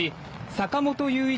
坂本雄一